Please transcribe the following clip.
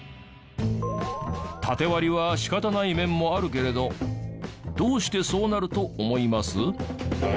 タテ割りは仕方ない面もあるけれどどうしてそうなると思います？